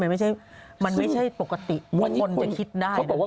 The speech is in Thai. มันไม่ใช่ปกติที่คนจะคิดได้นะ